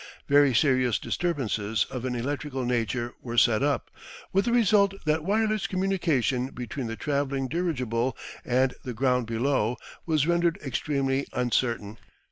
Very serious disturbances of an electrical nature were set up, with the result that wireless communication between the travelling dirigible and the ground below was rendered extremely uncertain.